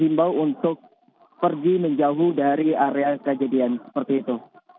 diimbau untuk pergi menjauh dari area kejadian seperti itu